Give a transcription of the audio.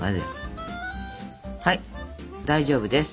はい大丈夫です。